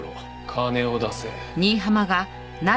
金を出せ。